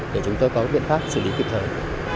để chúng tôi có biện pháp xử lý kịp thời